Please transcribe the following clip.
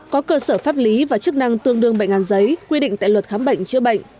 có cơ sở pháp lý và chức năng tương đương bệnh án giấy quy định tại luật khám bệnh chữa bệnh